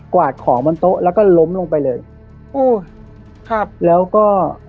วาดของบนโต๊ะแล้วก็ล้มลงไปเลยโอ้ยครับแล้วก็